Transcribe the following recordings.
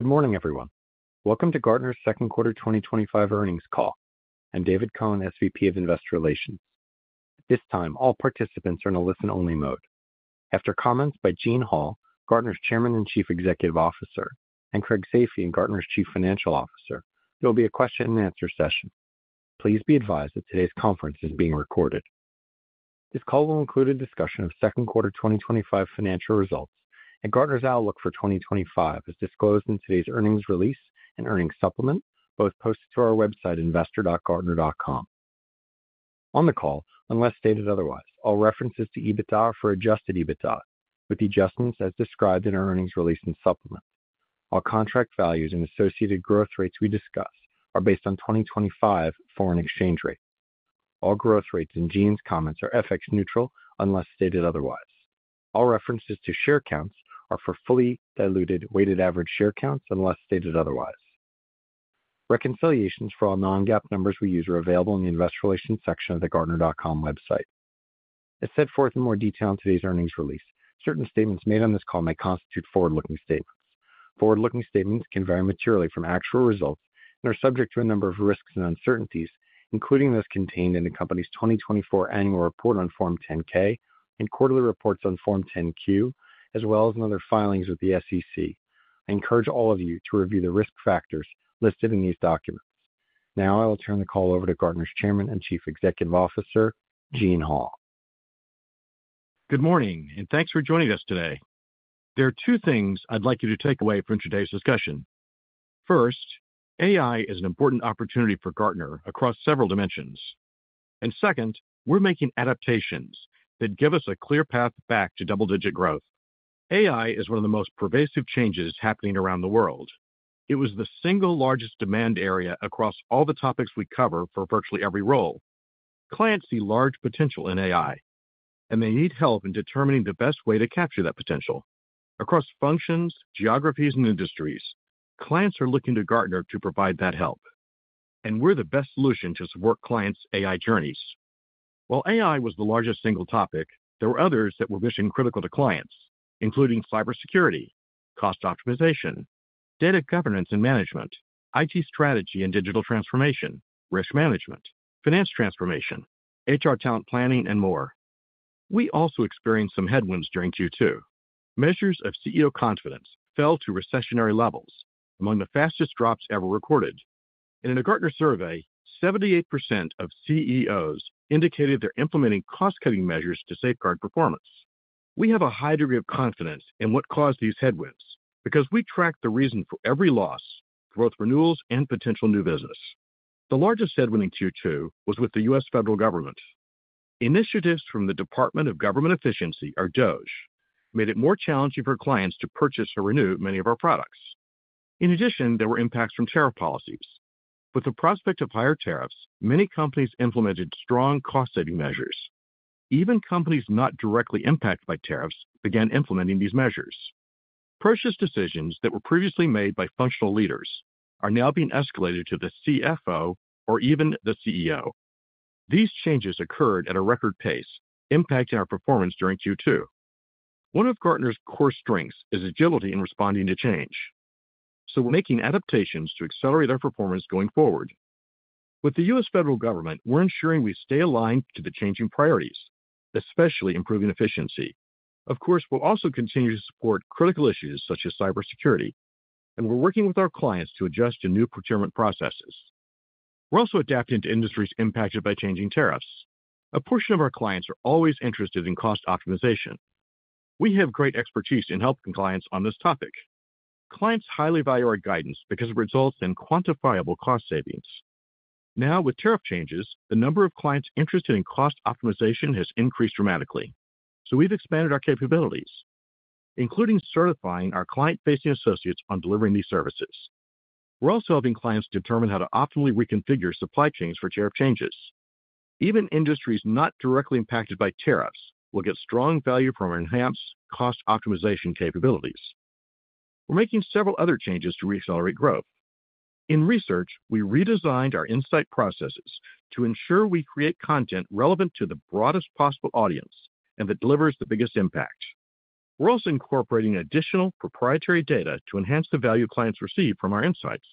Good morning everyone. Welcome to Gartner's second quarter 2025 earnings call. I'm David Cohen, SVP of Investor Relations. At this time, all participants are in a listen only mode. After comments by Gene Hall, Gartner's Chairman and Chief Executive Officer, and Craig Safian, Gartner's Chief Financial Officer, there will be a question and answer session. Please be advised that today's conference is being recorded. This call will include a discussion of second quarter 2025 financial results and Gartner's outlook for 2025 as disclosed in today's earnings release and earnings supplement, both posted to our website investor.gartner.com. Unless stated otherwise, all references to EBITDA are for adjusted EBITDA with the adjustments as described in our earnings release and supplement. All contract values and associated growth rates we discuss are based on 2025 foreign exchange rates. All growth rates in Gene's comments are FX neutral unless stated otherwise. All references to share counts are for fully diluted weighted average share counts unless stated otherwise. Reconciliations for all non-GAAP numbers we use are available in the Investor Relations section of the gartner.com website. As set forth in more detail in today's earnings release, certain statements made on this call may constitute forward looking statements. Forward looking statements can vary materially from actual results and are subject to a number of risks and uncertainties, including those contained in the company's 2024 Annual Report on Form 10-K and Quarterly Reports on Form 10-Q as well as in other filings with the SEC. I encourage all of you to review the risk factors listed in these documents. Now I will turn the call over to Gartner's Chairman and Chief Executive Officer, Gene Hall. Good morning and thanks for joining us today. There are two things I'd like you to take away from today's discussion. First, AI is an important opportunity for Gartner across several dimensions, and second, we're making adaptations that give us a clear path back to double-digit growth. AI is one of the most pervasive changes happening around the world. It was the single largest demand area across all the topics we cover for virtually every role. Clients see large potential in AI, and they need help in determining the best way to capture that potential across functions, geographies, and industries. Clients are looking to Gartner to provide that help, and we're the best solution to support clients. While AI was the largest single topic, there were others that were mission critical to clients, including cybersecurity, cost optimization, data governance and management, IT strategy and digital transformation, risk management, and finance transformation. HR talent planning, and more. We also experienced some headwinds during Q2. Measures of CEO confidence fell to recessionary levels, among the fastest drops ever recorded. In a Gartner survey, 78% of CEOs indicated they're implementing cost cutting measures to safeguard performance. We have a high degree of confidence in what caused these headwinds because we track the reason for every loss, both renewals and potential new business. The largest headwind in Q2 was with the U.S. federal government. Initiatives from the Department of Government Efficiency, or DOGE, made it more challenging for clients to purchase or renew many of our products. In addition, there were impacts from tariff policies. With the prospect of higher tariffs, many companies implemented strong cost saving measures. Even companies not directly impacted by tariffs began implementing these measures. Previous decisions that were previously made by functional leaders are now being escalated to the CFO or even the CEO. These changes occurred at a record pace, impacting our performance during Q2. One of Gartner's core strengths is agility in responding to change. We are making adaptations to accelerate our performance going forward. With the U.S. federal government, we are ensuring we stay aligned to the changing priorities, especially improving efficiency. Of course, we will also continue to support critical issues such as cybersecurity, and we are working with our clients to adjust to new procurement processes. We are also adapting to industries impacted by changing tariffs. A portion of our clients are always interested in cost optimization. We have great expertise in helping clients on this topic. Clients highly value our guidance because it results in quantifiable cost savings. Now, with tariff changes, the number of clients interested in cost optimization has increased dramatically. We have expanded our capabilities including certifying our client facing associates on delivering these services. We are also helping clients determine how to optimally reconfigure supply chains for tariff changes. Even industries not directly impacted by tariffs will get strong value from our enhanced cost optimization capabilities. We are making several other changes to reaccelerate growth in Research. We redesigned our insight processes to ensure we create content relevant to the broadest possible audience and that delivers the biggest impact. We're also incorporating additional proprietary data to enhance the value clients receive from our insights.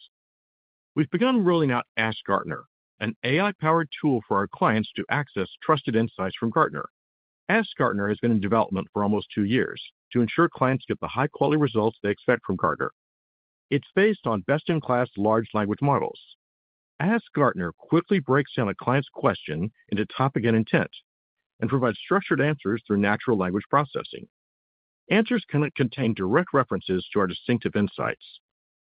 We've begun rolling out AskGartner, an AI-powered tool for our clients to access trusted insights from Gartner. AskGartner has been in development for almost two years to ensure clients get the high quality results they expect from Gartner. It's based on best-in-class, large language models. AskGartner quickly breaks down a client's question into topic and intent and provides structured answers through natural language processing. Answers cannot contain direct references to our distinctive insights.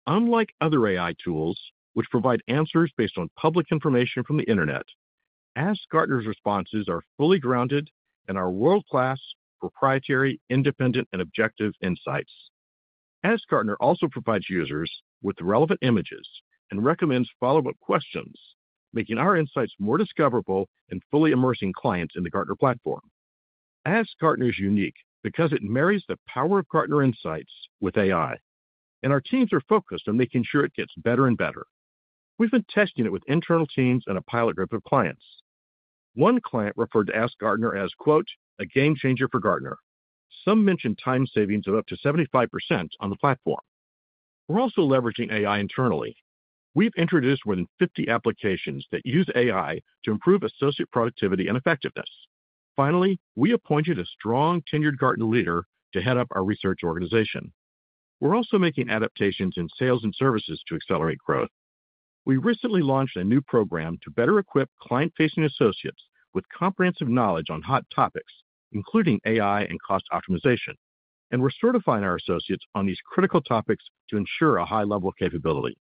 Unlike other AI tools which provide answers based on public information from the Internet, AskGartner's responses are fully grounded and are world-class, proprietary, independent, and objective insights. AskGartner also provides users with relevant images and recommends follow-up questions, making our insights more discoverable and fully immersing clients in the Gartner platform. AskGartner is unique because it marries the power of Gartner Insights with AI and our teams are focused on making sure it gets better and better. We've been testing it with internal teams and a pilot group of clients. One client referred to AskGartner as, quote, a game changer for Gartner. Some mentioned time savings of up to 75% on the platform. We're also leveraging AI internally. We've introduced more than 50 applications that use AI to improve associate productivity and effectiveness. Finally, we appointed a strong, tenured Gartner leader to head up our Research organization. We're also making adaptations in sales and services to accelerate growth. We recently launched a new program to better equip client-facing associates with comprehensive knowledge on hot topics including AI and cost optimization, and we're certifying our associates on these critical topics to ensure a high level capability.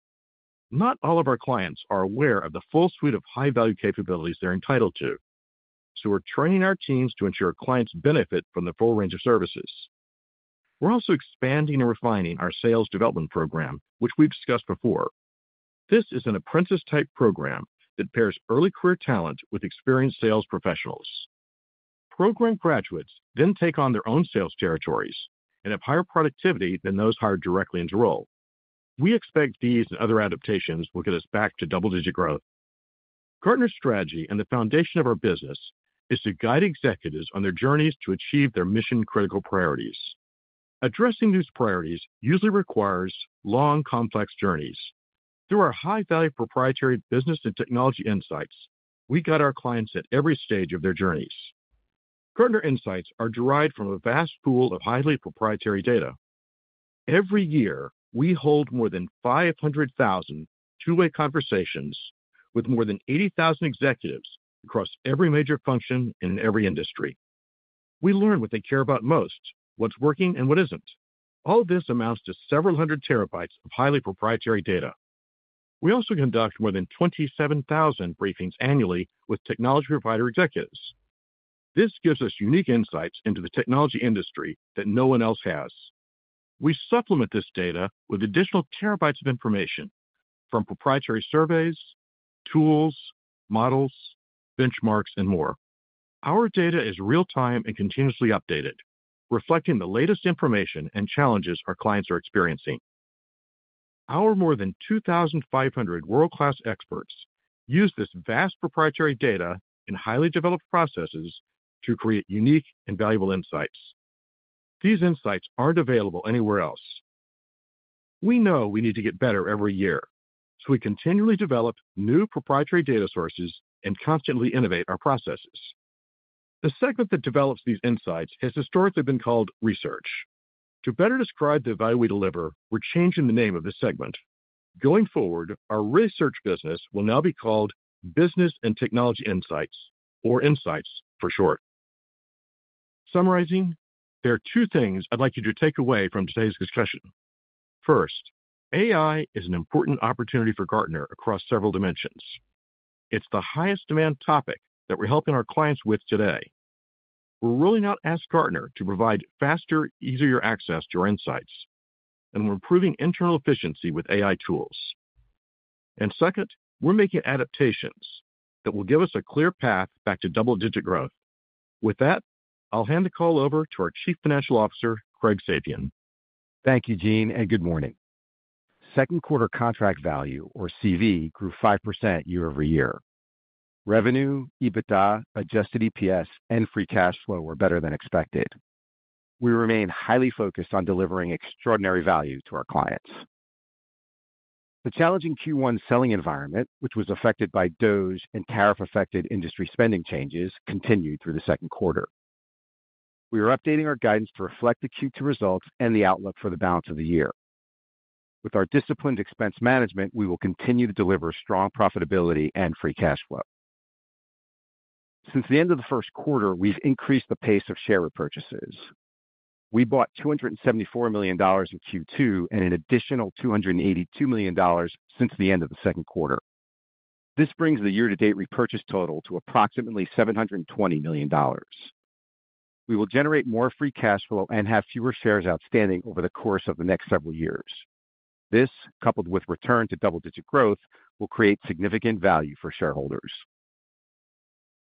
Not all of our clients are aware of the full suite of high-value capabilities they're entitled to, so we're training our teams to ensure clients benefit from the full range of services. We're also expanding and refining our sales development program, which we've discussed before. This is an apprentice-type program that pairs early career talent with experienced sales professionals. Program graduates then take on their own sales territories and have higher productivity than those hired directly into role. We expect these and other adaptations will get us back to double-digit growth. Gartner's strategy and the foundation of our business is to guide executives on their journeys to achieve their mission critical priorities. Addressing these priorities usually requires long, complex journeys. Through our high value proprietary Business and Technology Insights, we guide our clients at every stage of their journeys. Gartner insights are derived from a vast pool of highly proprietary data. Every year we hold more than 500,000 two way conversations with more than 80,000 executives across every major function in every industry. We learn what they care about most, what's working and what isn't. All this amounts to several hundred terabytes of highly proprietary data. We also conduct more than 27,000 briefings annually with technology provider executives. This gives us unique insights into the technology industry that no one else has. We supplement this data with additional terabytes of information from proprietary surveys, tools, models, benchmarks, and more. Our data is real time and continuously updated, reflecting the latest information and challenges our clients are experiencing. Our more than 2,500 world class experts use this vast proprietary data in highly developed processes to create unique and valuable insights. These insights aren't available anywhere else. We know we need to get better every year, so we continually develop new proprietary data sources and constantly innovate our processes. The segment that develops these insights has historically been called Research. To better describe the value we deliver, we're changing the name of this segment going forward. Our Research business will now be called Business and Technology Insights, or Insights for short. Summarizing, there are two things I'd like you to take away from today's discussion. First, AI is an important opportunity for Gartner across several dimensions. It's the highest demand topic that we're helping our clients with today. We're rolling out AskGartner to provide faster, easier access to our insights and we're improving internal efficiency with AI tools. Second, we're making adaptations that will give us a clear path back to double digit growth. With that, I'll hand the call over to our Chief Financial Officer, Craig Safian. Thank you, Gene, and good morning. Second quarter contract value, or CV, grew 5% year-over-year. Revenue, adjusted EBITDA, adjusted EPS, and free cash flow were better than expected. We remain highly focused on delivering extraordinary value to our clients. The challenging Q1 selling environment, which was affected by the Department of Government Efficiency (DOGE) and tariff-affected industry spending changes, continued through the second quarter. We are updating our guidance to reflect the Q2 results and the outlook for the balance of the year. With our disciplined expense management, we will continue to deliver strong profitability and free cash flow. Since the end of the first quarter, we've increased the pace of share repurchases. We bought $274 million in Q2 and an additional $282 million since the end of the second quarter. This brings the year-to-date repurchase total to approximately $720 million. We will generate more free cash flow and have fewer shares outstanding over the course of the next several years. This, coupled with return to double-digit growth, will create significant value for shareholders.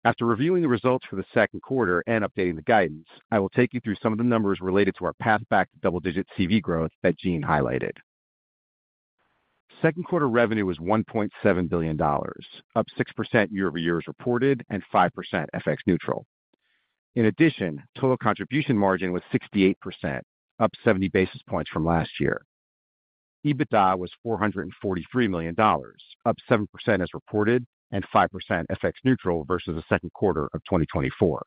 After reviewing the results for the second. Quarter and updating the guidance, I will take you through some of the numbers related to our path back to double digit CV growth that Gene highlighted. Second quarter revenue was $1.7 billion, up 6% year over year as reported and 5% FX neutral. In addition, total contribution margin was 68%, up 70 basis points from last year. EBITDA was $443 million, up 7% as reported and 5% FX neutral versus the second quarter of 2024.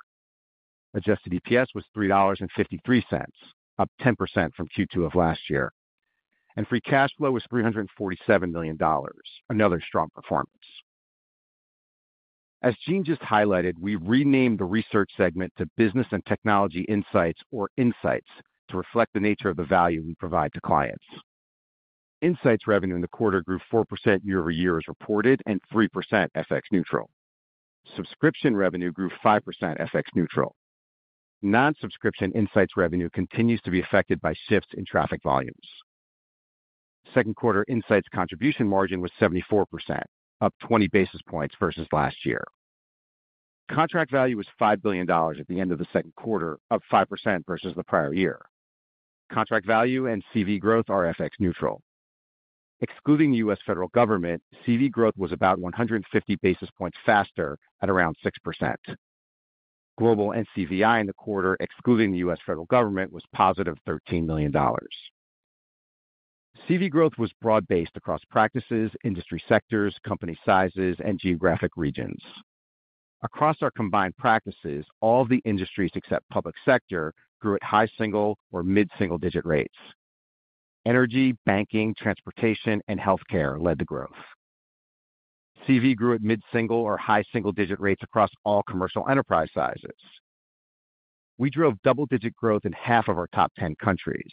Adjusted EPS was $3.53, up 10% from Q2 of last year, and free cash flow was $347 million, another strong performance. As Gene just highlighted, we renamed the Research segment to Business and Technology Insights (“Insights”) to reflect the nature of the value we provide to clients. Insights revenue in the quarter grew 4% year over year as reported and 3% FX neutral. Subscription revenue grew 5% FX neutral. Non-subscription Insights revenue continues to be affected by shifts in traffic volumes. Second quarter Insights contribution margin was 74%, up 20 basis points versus last year. Contract value was $5 billion at the end of the second quarter, up 5% versus the prior year. Contract value and CV growth are FX neutral excluding the U.S. federal government. CV growth was about 150 basis points faster at around 6%. Global NCVI in the quarter excluding the U.S. federal government was positive $13 million. CV growth was broad based across practices, industry sectors, company sizes, and geographic regions. Across our combined practices, all the industries except public sector grew at high single or mid single digit rates. Energy, banking, transportation, and healthcare led the growth. CV grew at mid single or high single digit rates across all commercial enterprise sizes. We drove double digit growth in half of our top 10 countries.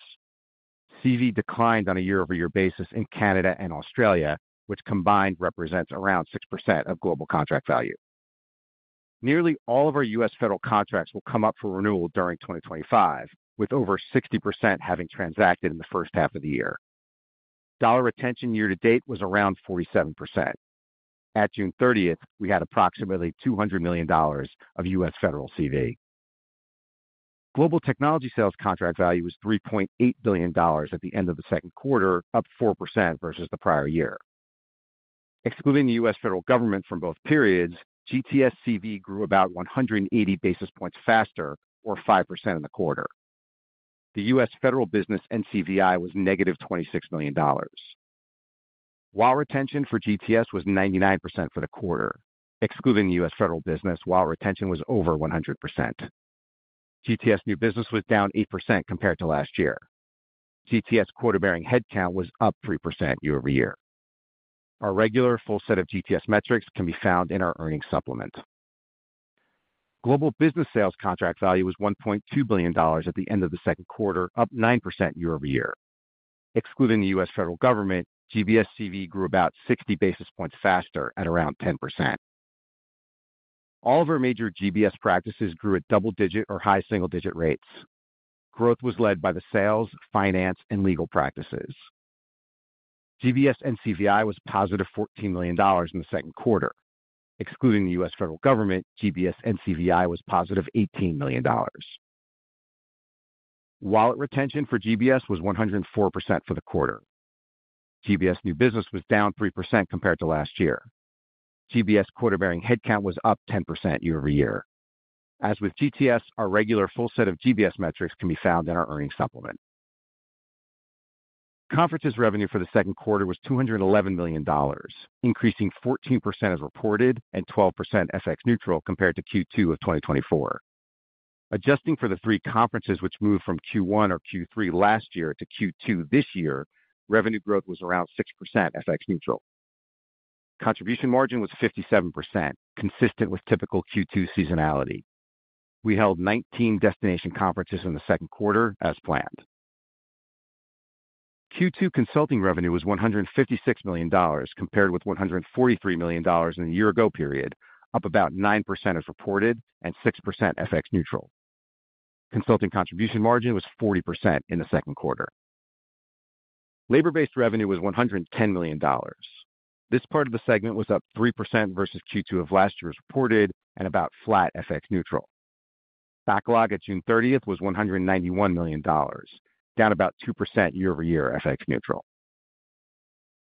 CV declined on a year over year basis in Canada and Australia, which combined represent around 6% of global contract value. Nearly all of our U.S. federal contracts will come up for renewal during 2025, with over 60% having transacted in the first half of the year. Dollar retention year to date was around 47%. At June 30th, we had approximately $200 million of U.S. federal CV. Global Technology Sales contract value was $3.8 billion at the end of the second quarter, up 4% versus the prior year. Excluding the U.S. federal government from both periods, GTS CV grew about 180 basis points faster, or 5% in the quarter. The U.S. Federal business NCVI was negative $26 million while retention for GTS was 99% for the quarter. Excluding the U.S. federal business, wallet retention was over 100%. GTS new business was down 8% compared to last year. GTS quarter-bearing headcount was up 3% year-over-year. Our regular full set of GTS metrics can be found in our earnings supplement. Global business sales contract value was $1.2 billion at the end of the second quarter, up 9% year-over-year. Excluding the U.S. federal government, GBS CV grew about 60 basis points faster at around 10%. All of our major GBS practices grew at double-digit or high single-digit rates. Growth was led by the sales, finance, and legal practices. GBS NCVI was positive $14 million in the second quarter. Excluding the U.S. federal government, GBS NCVI was positive $18 million. Wallet retention for GBS was 104% for the quarter. GBS new business was down 3% compared to last year. GBS quota-bearing headcount was up 10% year over year. As with GTS, our regular full set of GBS metrics can be found in our earnings supplement. Conferences revenue for the second quarter was $211 million, increasing 14% as reported and 12% FX neutral compared to Q2 of 2024. Adjusting for the three conferences which moved from Q1 or Q3 last year to Q2 this year, revenue growth was around 6% FX neutral. Contribution margin was 57%, consistent with typical Q2 seasonality. We held 19 destination conferences in the second quarter as planned. Q2 consulting revenue was $156 million compared with $143 million in the year-ago period, up about 9% as reported and 6% FX neutral. Consulting contribution margin was 40% in the second quarter. Labor-based revenue was $110 million. This part of the segment was up 3% versus Q2 of last year as reported and about flat FX neutral. Backlog at June 30th was $191 million, down about 2% year-over-year FX neutral.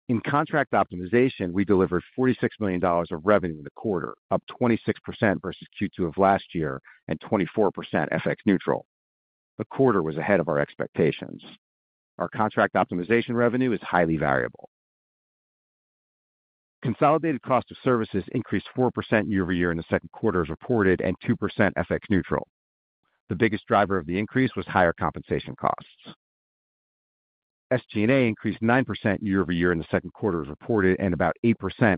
In contract optimization, we delivered $46 million of revenue in the quarter, up 26% versus Q2 of last year and 24% FX neutral. The quarter was ahead of our expectations. Our contract optimization revenue is highly variable. Consolidated cost of services increased 4% year-over-year in the second quarter as reported and 2% FX neutral. The biggest driver of the increase was higher compensation costs. SG&A increased 9% year-over-year in the second quarter as reported and about 8%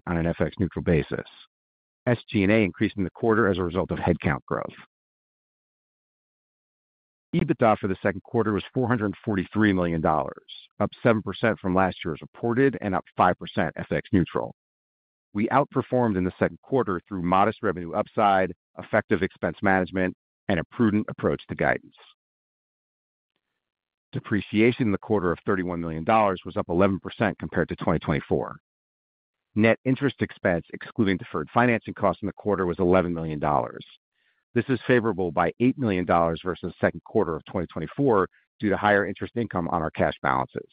on an FX neutral basis. SG&A increased in the quarter as a result of headcount growth. EBITDA for the second quarter was $443 million, up 7% from last year as reported and up 5% FX neutral. We outperformed in the second quarter through modest revenue upside, effective expense management, and a prudent approach to guidance. Depreciation in the quarter of $31 million was up 11% compared to 2024. Net interest expense excluding deferred financing costs in the quarter was $11 million. This is favorable by $8 million versus the second quarter of 2024 due to higher interest income on our cash balances.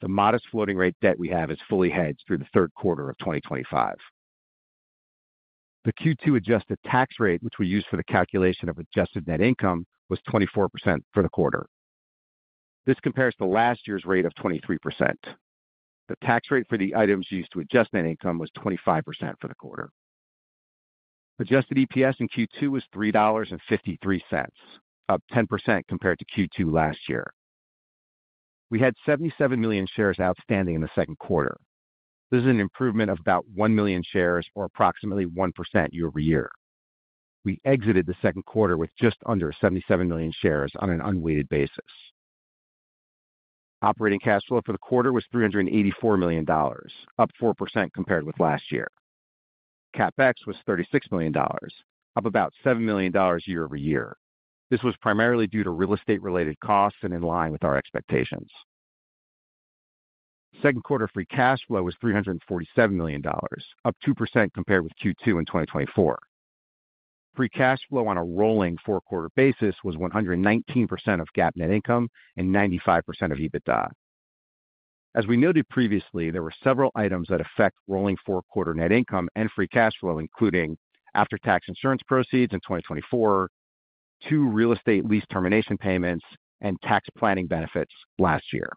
The modest floating rate debt we have is fully hedged through the third quarter of 2025. The Q2 adjusted tax rate which we used for the calculation of adjusted net income was 24% for the quarter. This compares to last year's rate of 23%. The tax rate for the items used to adjust net income was 25% for the quarter. Adjusted EPS in Q2 was $3.53, up 10% compared to Q2 last year. We had 77 million shares outstanding in the second quarter. This is an improvement of about 1 million shares or approximately 1% year-over-year. We exited the second quarter with just under 77 million shares on an unweighted basis. Operating cash flow for the quarter was $384 million, up 4% compared with last year. CapEx was $36 million, up about $7 million year-over-year. This was primarily due to real estate related costs and in line with our expectations. Second quarter free cash flow was $347 million, up 2% compared with Q2 in 2024. Free cash flow on a rolling four quarter basis was 119% of GAAP net income and 95% of EBITDA. As we noted previously, there were several items that affect rolling four quarter net income and free cash flow including after tax insurance proceeds in 2024, two real estate lease termination payments, and tax planning benefits last year.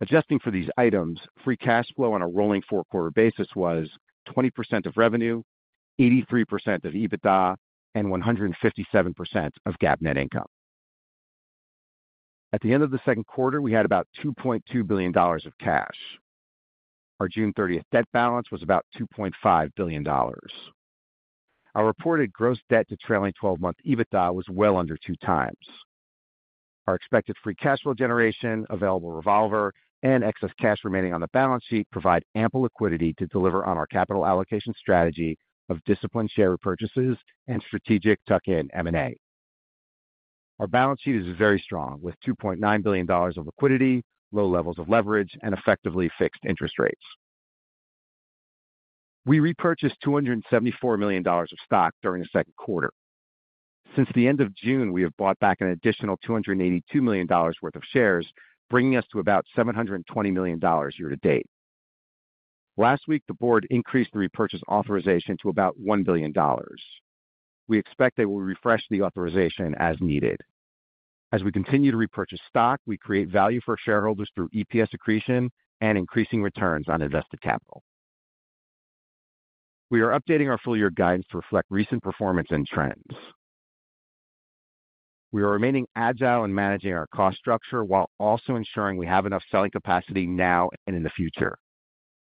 Adjusting for these items, free cash flow on a rolling four quarter basis was 20% of revenue, 83% of EBITDA, and 157% of GAAP net income. At the end of the second quarter we had about $2.2 billion of cash. Our June 30th debt balance was about $2.5 billion. Our reported gross debt to trailing twelve month EBITDA was well under two times. Our expected free cash flow generation, available revolver, and excess cash remaining on the balance sheet provide ample liquidity to deliver on our capital allocation strategy of disciplined share repurchases and strategic tuck-in M&A. Our balance sheet is very strong with $2.9 billion of liquidity, low levels of leverage, and effectively fixed interest rates. We repurchased $274 million of stock during the second quarter. Since the end of June, we have bought back an additional $282 million worth of shares, bringing us to about $720 million year to date. Last week, the Board increased the repurchase authorization to about $1 billion. We expect they will refresh the authorization as needed. As we continue to repurchase stock, we create value for shareholders through EPS accretion and increasing returns on invested capital. We are updating our full year guidance to reflect recent performance and trends. We are remaining agile in managing our cost structure while also ensuring we have enough selling capacity now and in the future.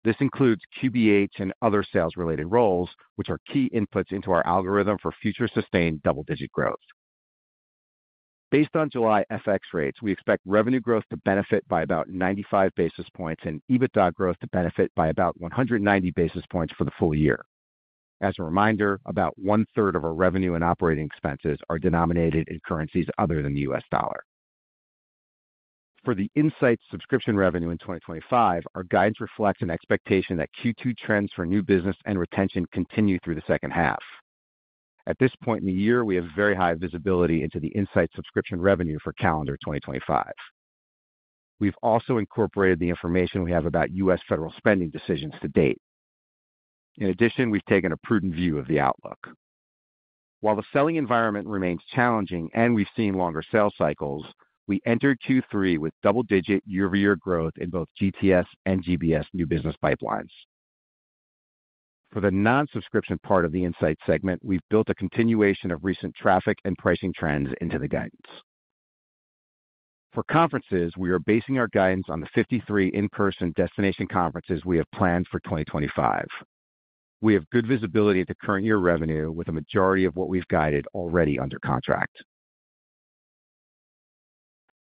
This includes QBH and other sales-related roles, which are key inputs into our algorithm for future sustained double-digit growth. Based on July FX rates, we expect revenue growth to benefit by about 95 basis points and EBITDA growth to benefit by about 190 basis points for the full year. As a reminder, about 1/3 of our revenue and operating expenses are denominated in currencies other than the U.S. dollar. For the Insights subscription revenue in 2025, our guidance reflects an expectation that Q2 trends for new business and retention continue through the second half. At this point in the year, we have very high visibility into the Insights subscription revenue for calendar 2025. We've also incorporated the information we have about U.S. federal spending decisions to date. In addition, we've taken a prudent view of the outlook while the selling environment remains challenging and we've seen longer sales cycles. We entered Q3 with double-digit year-over-year growth in both GTS and GBS new business pipelines. For the non-subscription part of the Insights segment, we've built a continuation of recent traffic and pricing trends into the guidance for Conferences. We are basing our guidance on the 53 in-person destination Conferences we have planned for 2025. We have good visibility into current year revenue with a majority of what we've guided already under contract.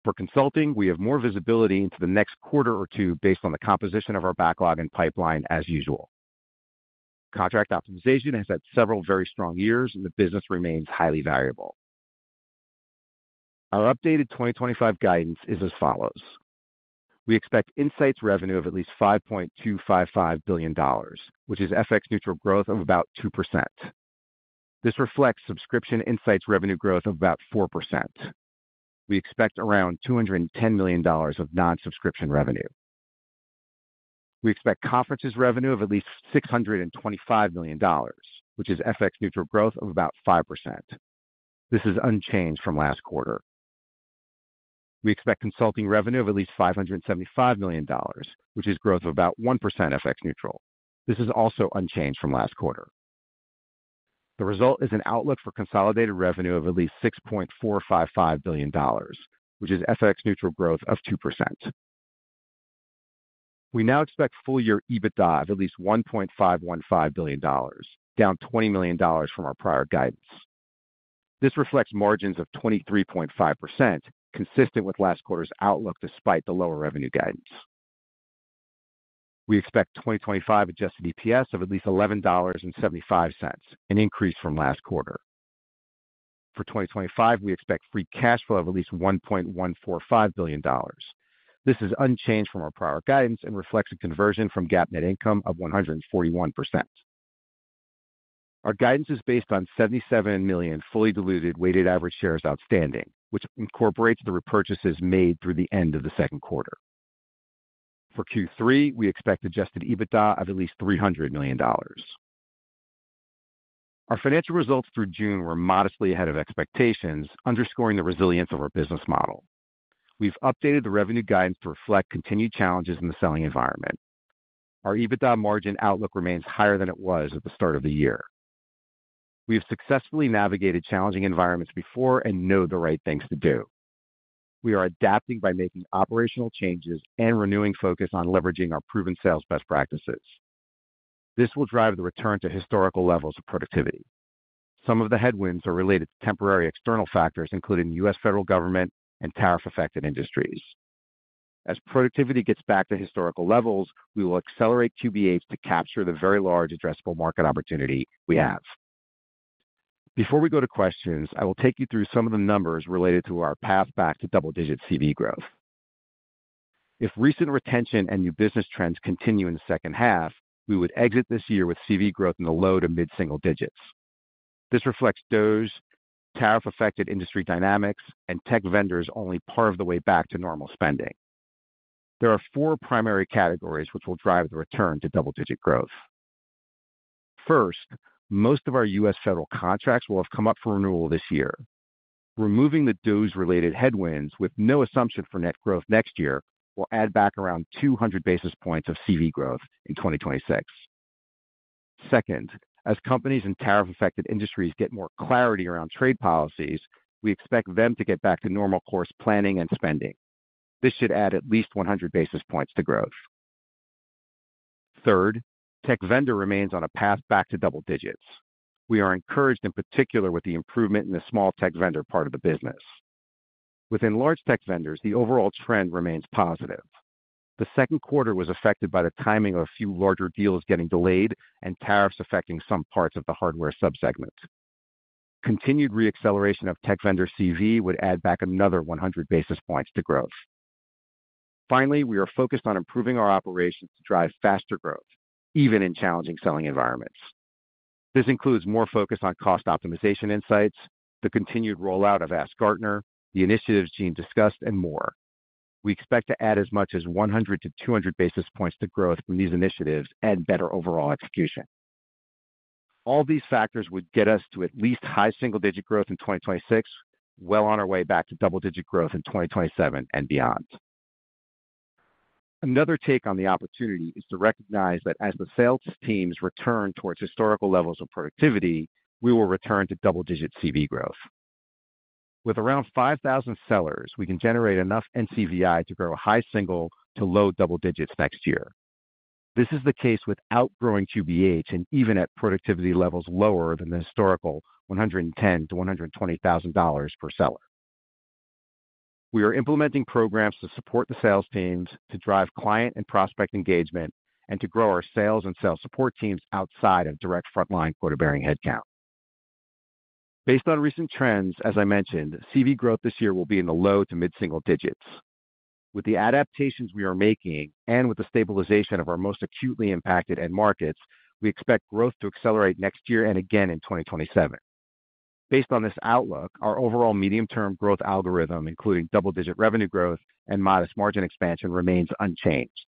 For Consulting, we have more visibility into the next quarter or two based on the composition of our backlog and pipeline. As usual, cost optimization has had several very strong years and the business remains highly valuable. Our updated 2025 guidance is as follows. We expect Insights revenue of at least $5.255 billion, which is FX-neutral growth of about 2%. This reflects subscription Insights revenue growth of about 4%. We expect around $210 million of non-subscription revenue. We expect Conferences revenue of at least $625 million, which is FX-neutral growth of about 5%. This is unchanged from last quarter. We expect Consulting revenue of at least $575 million, which is growth of about 1%. FX-neutral, this is also unchanged from last quarter. The result is an outlook for consolidated revenue of at least $6.455 billion, which is FX-neutral growth of 2%. We now expect full year adjusted EBITDA of at least $1.515 billion, down $20 million from our prior guidance. This reflects margins of 23.5%, consistent with last quarter's outlook. Despite the lower revenue guidance, we expect 2025 adjusted EPS of at least $11.75, an increase from last quarter. For 2025, we expect free cash flow of at least $1.145 billion. This is unchanged from our prior guidance and reflects a conversion from GAAP net income of 141%. Our guidance is based on 77 million fully diluted weighted average shares outstanding, which incorporates the repurchases made through the end of the second quarter. For Q3, we expect adjusted EBITDA of at least $300 million. Our financial results through June were modestly ahead of expectations. Underscoring the resilience of our business model, we've updated the revenue guidance to reflect continued challenges in the selling environment. Our EBITDA margin outlook remains higher than it was at the start of the year. We have successfully navigated challenging environments before and know the right things to do. We are adapting by making operational changes and renewing focus on leveraging our proven sales best practices. This will drive the return to historical levels of productivity. Some of the headwinds are related to temporary external factors, including the U.S. Federal government and tariff-affected industries. As productivity gets back to historical levels, we will accelerate QBHs to capture the very large addressable market opportunity we have. Before we go to questions, I will take you through some of the numbers related to our path back to double-digit CV growth. If recent retention and new business trends continue in the second half, we would exit this year with CV growth in the low to mid-single digits. This reflects Department of Government Efficiency tariff-affected industry dynamics and tech vendors only part of the way back to normal spending. There are four primary categories which will drive the return to double-digit growth. First, most of our U.S. Federal contracts will have come up for renewal this year, removing the Department of Government Efficiency related headwinds, with no assumption for net growth next year, will add back around 200 basis points of contract value growth in 2026. Second, as companies and tariff-affected industries get more clarity around trade policies, we expect them to get back to normal course planning and spending. This should add at least 100 basis points to growth. Third, tech vendor remains on a path back to double digits. We are encouraged in particular with the improvement in the small tech vendor part of the business. Within large tech vendors, the overall trend remains positive. The second quarter was affected by the timing of a few larger deals getting delayed and tariffs affecting some parts of the hardware subsegment. Continued reacceleration of tech vendor contract value would add back another 100 basis points to growth. Finally, we are focused on improving our operations to drive faster growth even in challenging selling environments. This includes more focus on cost optimization insights, the continued rollout of AskGartner, the initiatives Gene discussed, and more. We expect to add as much as 100 basis points-200 basis points to growth from these initiatives and better overall execution. All these factors would get us to at least high single digit growth in 2026, well on our way back to double digit growth in 2027 and beyond. Another take on the opportunity is to recognize that as the sales teams return towards historical levels of productivity, we will return to double digit contract value growth. With around 5,000 sellers, we can generate enough NCVI to grow high single to low double digits next year. This is the case without growing quota bearing headcount and even at productivity levels lower than the historical $110,000-$120,000 per seller. We are implementing programs to support the sales teams, to drive client and prospect engagement, and to grow our sales and sales support teams outside of direct frontline quota bearing headcount based on recent trends. As I mentioned, contract value growth this year will be in the low to mid single digits. With the adaptations we are making and with the stabilization of our most acutely impacted end markets, we expect growth to accelerate next year and again in 2027. Based on this outlook, our overall medium term growth algorithm, including double digit revenue growth and modest margin expansion, remains unchanged.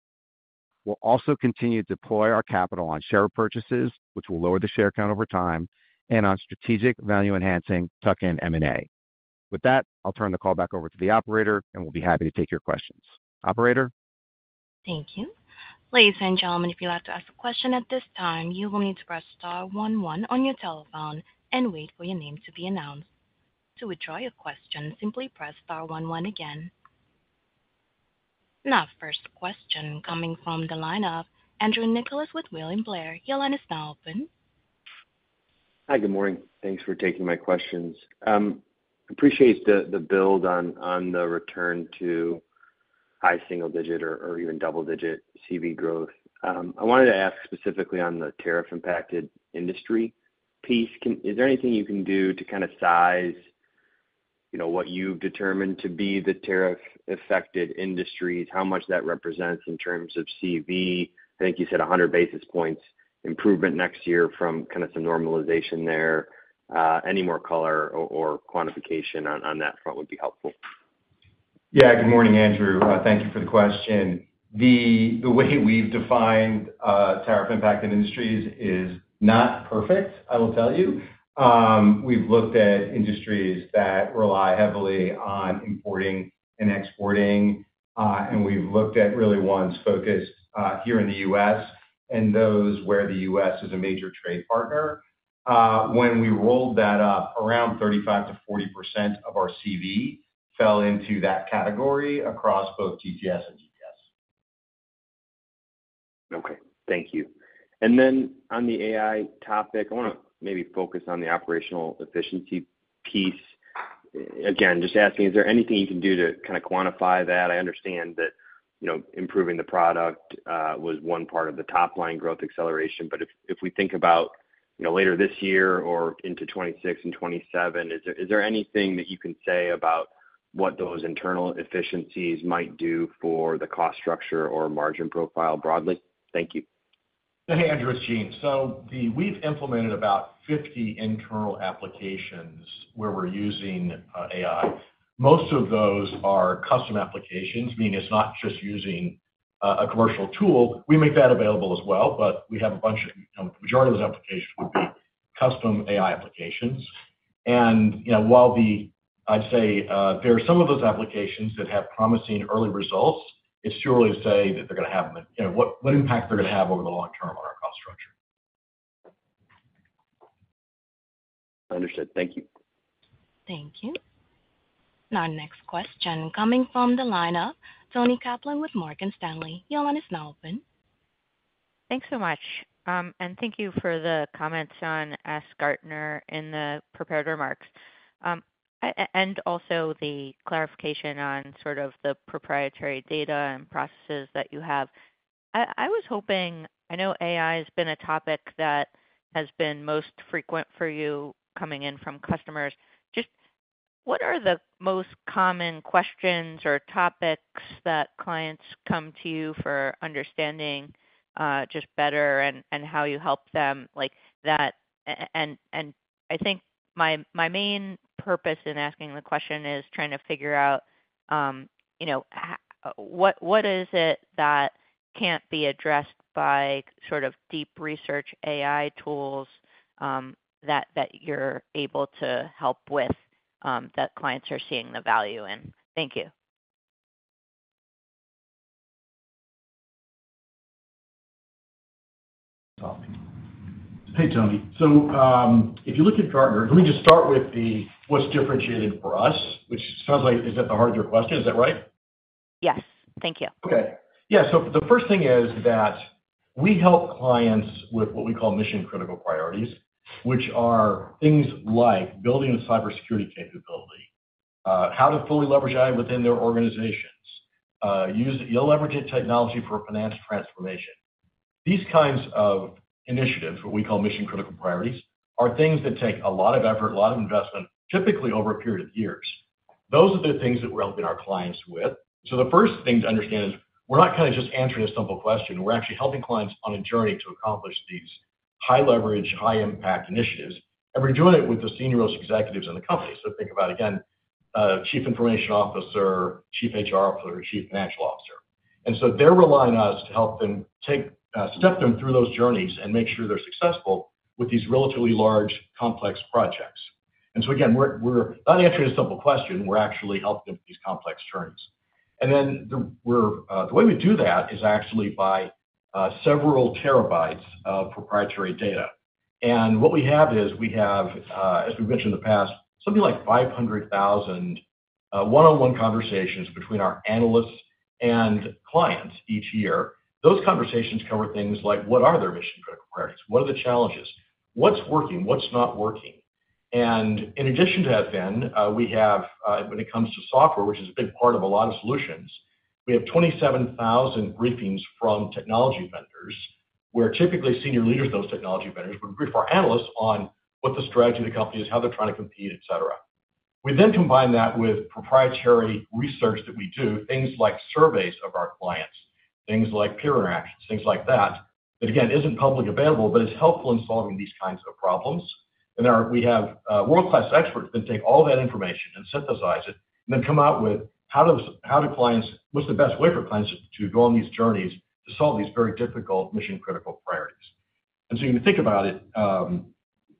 We'll also continue to deploy our capital on share repurchases, which will lower the share count over time and on strategic value-enhancing tuck-in M&A. With that, I'll turn the call back over to the operator, and we'll be happy to take your questions. Operator, thank you, ladies and gentlemen. If you'd like to ask a question at this time, you will need to press star one one on your telephone and wait for your name to be announced. To withdraw your question, simply press star one one again now. First question coming from the line of Andrew Nicholas with William Blair. Your line is now open. Hi, good morning. Thanks for taking my questions. Appreciate the build on the return to high single digit or even double digit CV growth. I wanted to ask specifically on the tariff impacted industry piece. Is there anything you can do to kind of size what you've determined to be the tariff affected industries? How much that represents in terms of CV? I think you said 100 basis points improvement next year from kind of some normalization there. Any more color or quantification on that front would be helpful. Yeah. Good morning, Andrew. Thank you for the question. The way we've defined tariff-impacted industries is not perfect, I will tell you. We've looked at industries that rely heavily on importing and exporting, and we've looked at ones focused here in the U.S. and those where the U.S. is a major trade partner. When we rolled that up, around 35. To 40% of our contract value (CV) fell into. That category across both GTS and GBS. Thank you. And then o n the AI topic, I want to maybe focus on the operational efficiency piece again. Is there anything you can do to kind of quantify that? I understand that improving the product was one part of the top line growth acceleration, but if we think about later this year or into 2026 and 2027, is there anything that you can say about what those internal efficiencies might do for the cost structure or margin profile broadly? Thank you. Hey Andrew, it's Gene. We've implemented about 50 internal applications where we're using AI. Most of those are custom applications, meaning it's not just using a commercial tool. We make that available as well, but we have a bunch of those applications, custom AI applications. There are some of those applications that have promising early results. It's early to say what impact they're going to have over the long term. Understood, thank you. Thank you. Now, next question coming from the lineup. Toni Kaplan with Morgan Stanley. Your line is now open. Thanks so much, and thank you for the comments on AskGartner in the prepared remarks and also the clarification on sort of the proprietary data and processes that you have. I was hoping, I know AI has been a topic that has been most frequent for you coming in from customers. What are the most common questions or topics that clients come to you for understanding just better and how you help them like that? I think my main purpose in asking the question is trying to figure out what is it that can't be addressed by sort of deep research AI tools that you're able to help with that clients are seeing the value in. Thank you. Hey Toni, if you look at Gartner, can we just start with what's differentiated for us, which sounds like is that the heart of your question, is that right? Yes, thank you. Okay. Yeah. The first thing is that we help clients with what we call mission critical priorities, which are things like building a cybersecurity capability, how to fully leverage AI within their organizations, leveraging technology for finance transformation. These kinds of initiatives, what we call mission critical priorities, are things that take a lot of effort, a lot of investment, typically over a period of years. Those are the things that we're helping our clients with. The first thing to understand is we're not kind of just answering a simple question. We're actually helping clients on a journey to accomplish these high leverage, high impact initiatives. We join it with the senior, most executives in the company. Think about again, Chief Information Officer, Chief HR Officer, Chief Financial Officer. They're relying on us to help them, take them through those journeys and make sure they're successful with these relatively large, complex projects. We're not answering a simple question, we're actually helping these complex journeys. We're. The way we do that is actually by several terabytes of proprietary data. What we have is, as we mentioned in the past, something like 500,000 one on one conversations between our analysts and clients each year. Those conversations cover things like what are their mission, what are the challenges, what's working, what's not working. In addition to that, when it comes to software, which is a big part of a lot of Solutions, we have 27,000 briefings from technology vendors where typically senior leaders, those technology vendors would grid our analysts on what the strategy of the company is, how they're trying to compete, et cetera. We then combine that with proprietary research that we do, things like surveys of our clients, things like peer actions, things like that, that again isn't publicly available, but it's helpful in solving these kinds of problems. We have world class experts that take all that information and synthesize it and then come out with how do clients, what's the best way for clients to go on these journeys to solve these very difficult mission critical priorities. You think about it,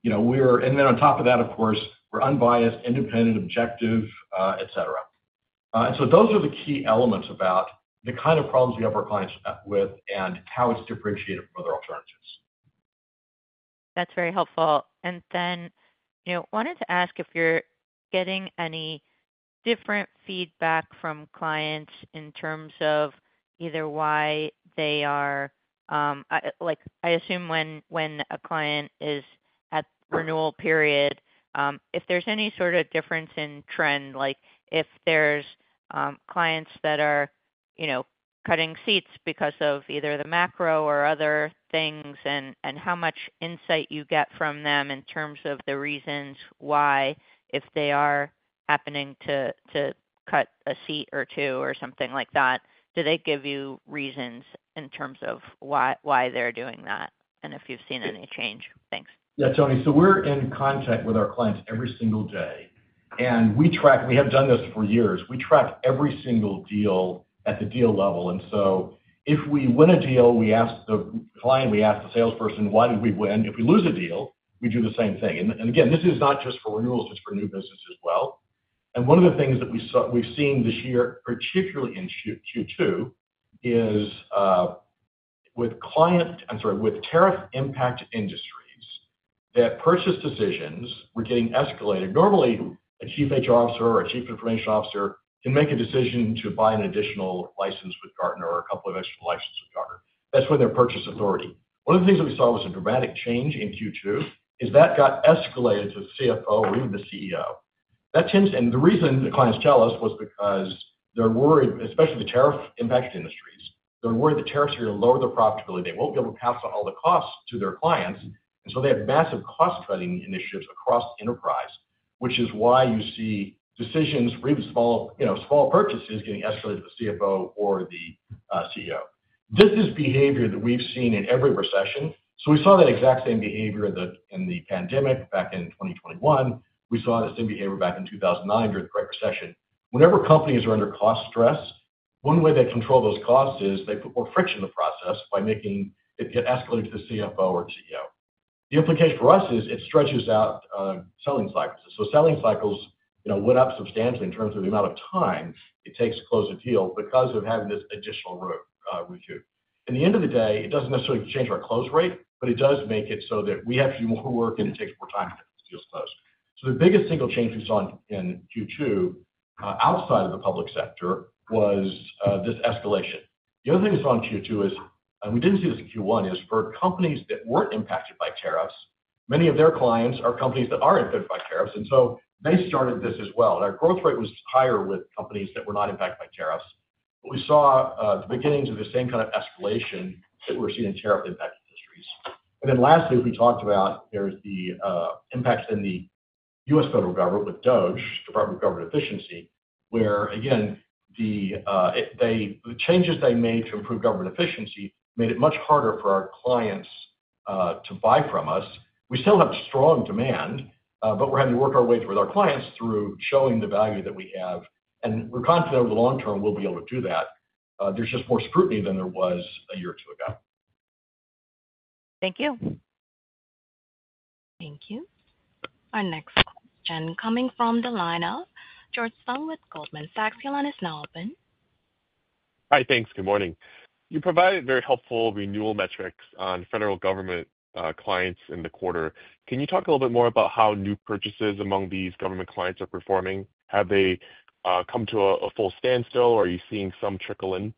of course we're unbiased, independent, objective, et cetera. Those are the key elements about the kind of problems we have our clients with and how it's differentiated from other alternatives. That's very helpful. I wanted to ask if you're getting any different feedback from clients in terms of either why they are, like I assume when a client is at renewal period, if there's any sort of difference in trend, like if there's clients that are cutting seats because of either the macro or other things and how much insight you get from them in terms of the reasons why. If they are happening to cut a seat or two or something like that, do they give you reasons in terms of why they're doing that and if you've seen any change? Thanks. Yeah, Toni. We're in contact with our clients every single day. We track, we have done this for years, we track every single deal at the deal level. If we win a deal, we ask the client, we ask the salesperson, why did we win? If we lose a deal, we do the same thing. This is not just for renewals, it's for new business as well. One of the things that we saw, we've seen this year, particularly in Q2, is with client, I'm sorry, with tariff impact industries, that purchase decisions were getting escalated. Normally a Chief HR Officer or Chief Information Officer can make a decision to buy an additional license with Gartner or a couple of extra licenses with Gartner. That's within their purchase authority. One of the things that we saw was a dramatic change in Q2, that got escalated to the CFO or even the CEO. The reason the clients tell us was because they're worried, especially the tariff impacts. Industries worry the tariffs are going to lower their profitability. They won't be able to pass all the costs to their clients, and so they have massive cost cutting initiative across enterprise, which is why you see decisions, even small purchases, getting escalated to the CFO or the CEO. This is behavior that we've seen in every recession. We saw that exact same behavior in the pandemic back in 2021. We saw the same behavior back in 2009 during the Great Recession. Whenever companies are under cost stress, one way they control those costs is they put more friction in the process by making it get escalated to the CFO or CEO. The implication for us is it stretches out selling cycles. Selling cycles went up substantially in terms of the amount of time it takes to close a deal because of having this additional room with you. In the end of the day, it doesn't necessarily change our close rate, but it does make it so that we actually work and it takes more time. The biggest single change we saw in Q2 outside of the public sector was this escalation. The other thing that's wrong in Q2 is, and we didn't see this in Q1, is for companies that weren't impacted by tariffs, many of their clients are companies that are impacted by tariffs, and so they started this as well. Our growth rate was higher with companies that were not impacted by tariffs, but we saw the beginnings of the same kind of escalation that we're seeing in tariff impacted industries. Lastly, as we talked about, there's the impacts in the U.S. federal government with the Department of Government Efficiency where again the changes they made to improve government efficiency made it much harder for our clients to buy from us. We still have a strong demand, but we're having to work our way through with our clients through showing the value that we have. We're confident over the long term we'll be able to do that. There's just more scrutiny than there was a year or two ago. Thank you. Thank you. Our next question coming from the lineup. George Tong with Goldman Sachs. The line is now open. Hi. Thanks. Good morning. You provided very helpful renewal metrics on federal government clients in the quarter. Can you talk a little bit more about how new purchases among these government clients are performing? Have they come to a full standstill or are you seeing some trickle in?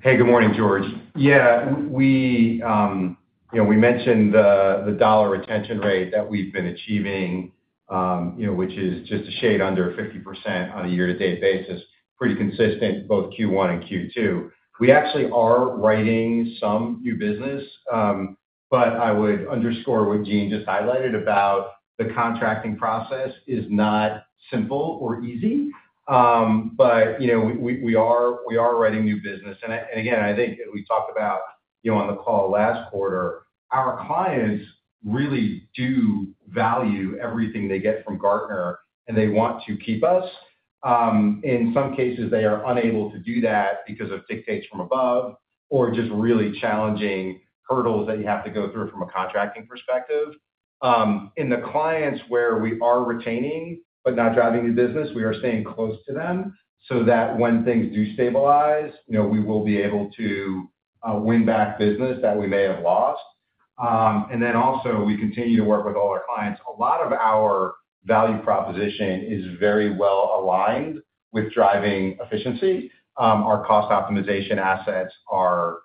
Hey, good morning, George. Yeah, we mentioned the dollar retention rate that we've been achieving, which is just a shade under 50% on a year-to-date basis. Pretty consistent, both Q1 and Q2. We actually are writing some new business. I would underscore what Gene just highlighted about the contracting process. It is not simple or easy. We are writing new business, and again, I think we talked about on the call last quarter, our clients really do value everything they get from Gartner and they want to keep us. In some cases, they are unable to do that because of dictates from above or just really challenging hurdles that you have to go through from a contracting perspective. In the clients where we are retaining but not driving new business, we are staying close to them so that when things do stabilize, we will be able to win back business that we may have lost. And then also we continue to work with all our clients. A lot of our value proposition is very well aligned with driving efficiency. Our cost optimization assets are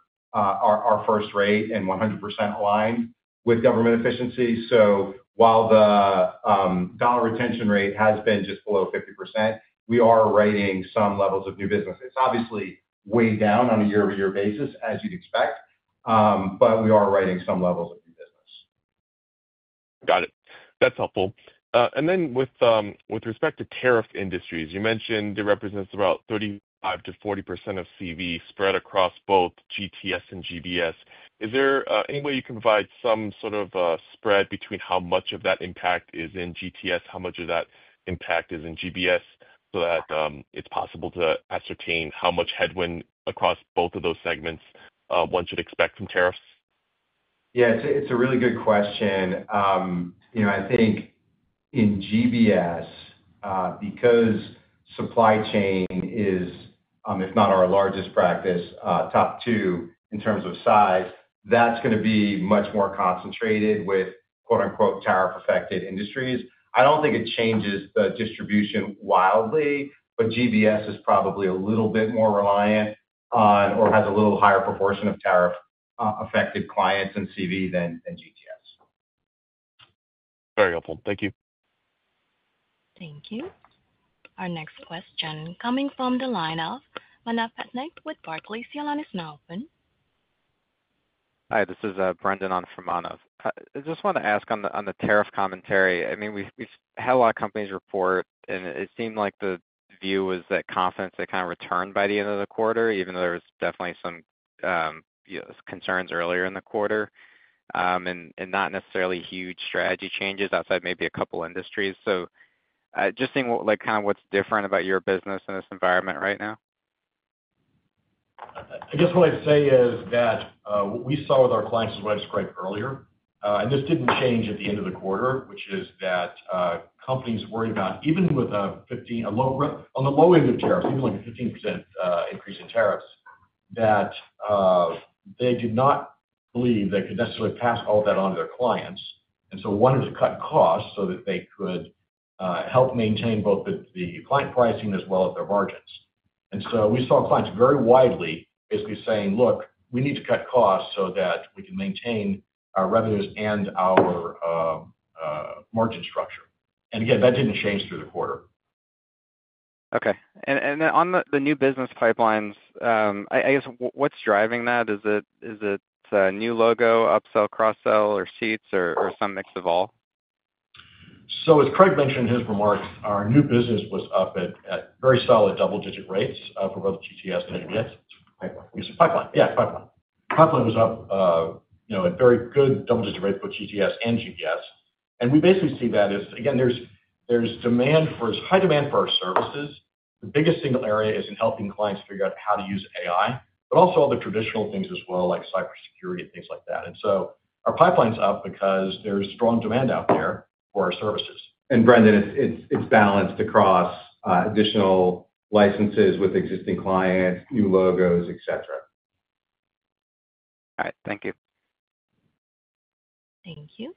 first rate and 100% aligned with government efficiency. While the dollar retention rate has been just below 50%, we are writing. Some levels of new business. It's obviously weighing down on a year over year basis, as you'd expect. We are writing some levels of new business. Got it. That's helpful. With respect to tariff industries, you mentioned it represents about 35% to 40% of CV spread across both GTS and GBS. Is there any way you can provide some sort of spread between how much of that impact is in GTS, how much of that impact is in GBS so that it's possible to ascertain how much headwind across both of those segments one should expect from tariffs? Yeah, it's a really good question. You know, I think in GBS, because supply chain is, if not our largest practice, top two in terms of size, that's going to be much more concentrated with "tariff affected" industries. I don't think it changes the distribution wildly, but GBS is probably a little bit more reliant or has a little higher proportion of tariff affected clients and CV than GTS. Very helpful, thank you. Thank you. Our next question coming from the line of Manav Patnaik with Barclays. Your line is now open. Hi, this is Brendan on Manav. I just want to ask on the tariff commentary. I mean, we've had a lot of companies report, and it seemed like the view was that confidence had kind of returned by the end of the quarter, even though there was definitely some concerns earlier in the quarter and not necessarily huge strategy changes outside maybe a couple industries. Just seeing what's different about your business in this environment right now. I guess what I'd say is that we saw with our clients earlier and this didn't change at the end of the quarter, which is that companies worry about even with a $50 on the low end of tariffs, even like a 15% increase in tariffs, that they did not believe they could necessarily pass all that on to their clients. One is a cut in cost so that they could help maintain both the client pricing as well as their margins. We saw clients very widely basically saying, look, we need to cut costs so that we can maintain our revenues and our margin structure. That didn't change through the quarter. Okay on the new business pipelines, I guess what's driving that, is it new logo, upsell, cross sell, or seats, or some mix of all? As Craig mentioned in his remarks, our new business was up at very solid double-digit rates for both TCs and AWs. Pipeline, you see. Pipeline. Yeah, pipeline. Pipeline was up a very good double-digit rate for GTS and GBS. We basically see that as, again, there's demand for high demand for our services. The biggest single area is in helping clients figure out how to use AI, but also all the traditional things as well, like cybersecurity and things like that. Our pipeline's up because there's strong demand out there for our services. It is balanced across additional licenses with existing clients, new logos, et cetera. All right, thank you. Thank you.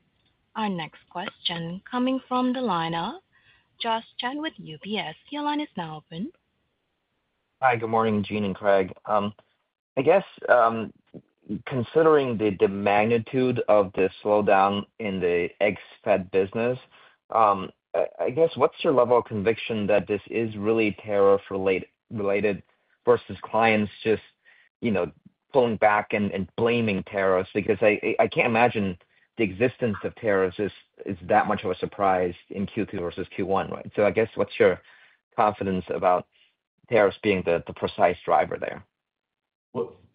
Our next question coming from the lineup. Joshua Chan with UBS, your line is now open. Hi, good morning. Gene and Craig, I guess considering the magnitude of the slowdown in the ex Fed business, what's your level of conviction that this is really tariff related versus clients just pulling back and blaming tariffs? I can't imagine the existence of tariffs is that much of a surprise in Q2 versus Q1. Right. What's your confidence about tariffs being the precise driver there?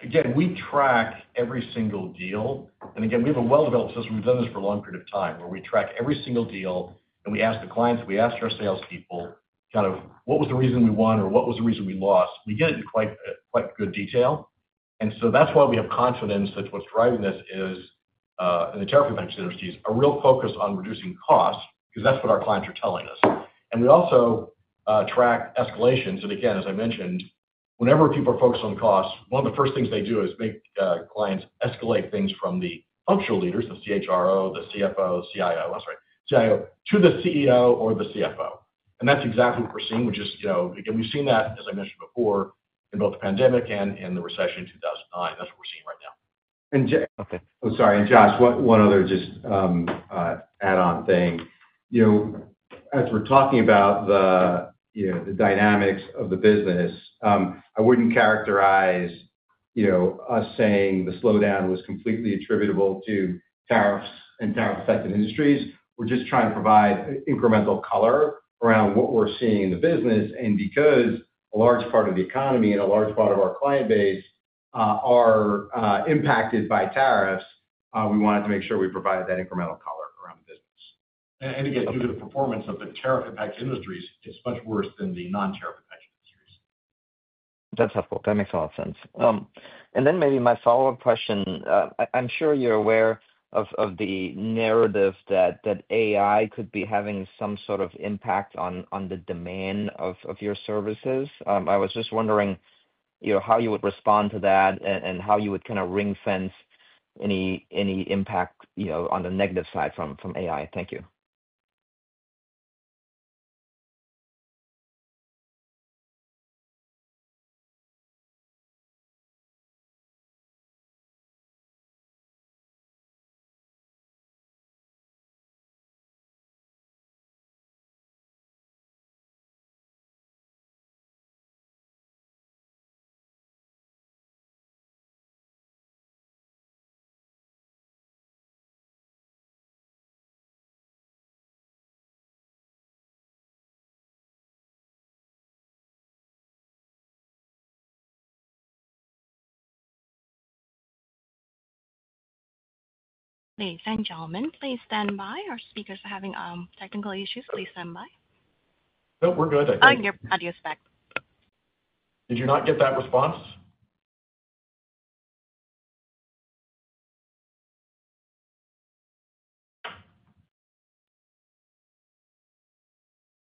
Again, we track every single deal, and we have a well-developed system. We've done this for a long period of time where we track every single deal, and we ask the clients, we ask our salespeople kind of what was the reason we won or what was the reason we lost. Quite good detail, and that's why we have confidence that what's driving this is in the terrific. Universities are real focused on reducing costs because that's what our clients are telling us. We also track escalations. As I mentioned, whenever people are focused on costs, one of the first things they do is make clients escalate things from the functional leaders, the CHRO, the CFO, CIO, that's right, CIO, to the CEO or the CFO. That's exactly what we're seeing, which is, you know, we've seen that, as I mentioned before, in both the pandemic and in the recession in 2009. That's what we're seeing right now. I'm sorry. Josh, one other just add on thing, as we're talking about the dynamics of the business, I wouldn't characterize us saying the slowdown was completely attributable to tariffs and tariff affected industries. We're just trying to provide incremental color around what we're seeing in the business. Because a large part of the economy and a large part of our client base are impacted by tariffs, we wanted to make sure we provided that. Incremental color around this. Due to the performance of the tariff impact industries, it's much worse than the non-tariff impact. That's helpful. That makes a lot of sense. Maybe my follow up question. I'm sure you're aware of the narrative that AI could be having some sort of impact on the demand of your services. I was just wondering how you would respond to that and how you would kind of ring fence any impact on the negative side from AI. Thank you.. Ladies and gentlemen, please stand by. Our speakers are having technical issues. Please stand by. No, we're good. I'll give ideas back. Did you not get that response?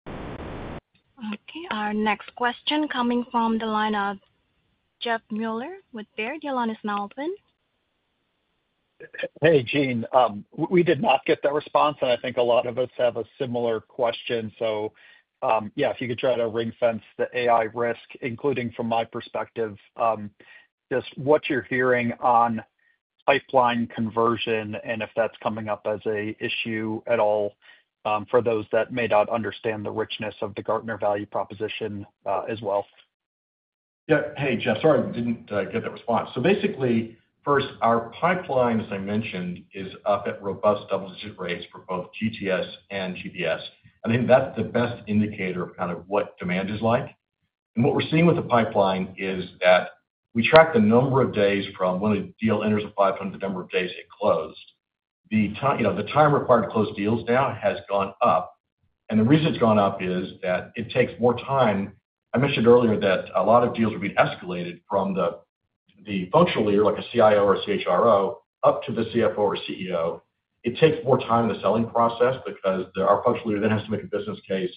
Okay, our next question coming from the line of Jeff Meuler with Baird. Your line is now open. Hey Gene. We did not get that response. I think a lot of us have a similar question. If you could try to. Ring fence the AI risk, including from my perspective, just what you're hearing on pipeline conversion and if that's coming up. it an issue at all for those that may not understand the richness of. The Gartner value proposition as well. Yeah. Hey Jeff, sorry, didn't get that response. Basically, first, our pipeline, as I mentioned, is up at robust double-digit rates for both GTS and GBS. I think that's the best indicator of kind of what demand is like. What we're seeing with the pipeline is that we track the number of days from when a deal enters a pipeline, the number of days it closed. The time required to close deals now has gone up. The reason it's gone up is that it takes more time. I mentioned earlier that a lot of deals will be escalated from the functional leader like a CIO or CHRO up to the CFO or CEO. It takes more time in the selling process because our cultural leader then has to make a business case.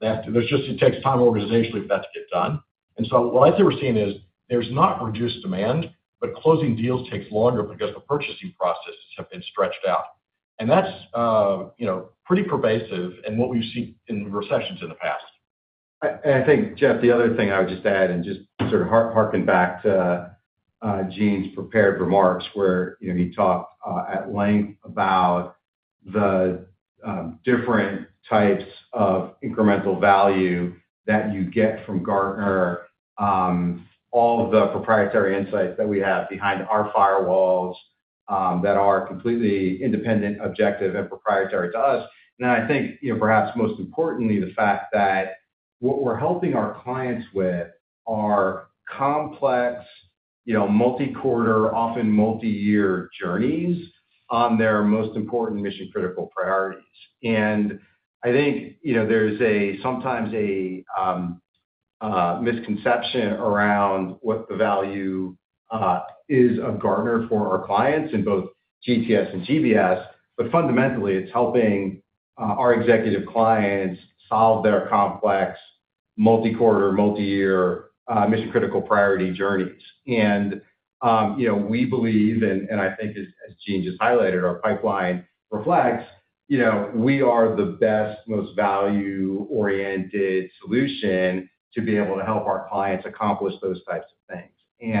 It takes time organizationally for that to get done. What I think we're seeing is there's not a reduced demand, but closing deals takes longer because the purchasing processes have been stretched out. That's pretty pervasive. What we've seen in recessions in. the past, I think, Jeff, the other thing I would just add is to harken back to Gene's prepared remarks where he talked at length about the different types of incremental value that you get from Gartner, all of the proprietary insights that we have behind our firewalls that are completely independent, objective, and proprietary to us. I think perhaps most importantly, the fact that what we're helping our clients with are complex, multi-quarter, often multi-year journeys on their most important mission-critical priorities. I think you know, there's sometimes a misconception around what the value is of Gartner for our clients in both GTS and GBS. Fundamentally, it's helping our executive clients solve their complex, multi-quarter, multi-year mission-critical priority journeys. We believe, and I think as Gene just highlighted, our pipeline reflects we are the best, most value-oriented solution. To be able to help our clients. Accomplish those types of things. We